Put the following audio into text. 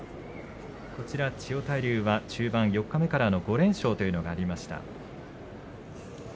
千代大龍は中盤、四日目からの５連勝というのがありました。